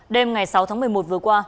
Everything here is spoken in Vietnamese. đêm ngày sáu tháng một mươi một vừa qua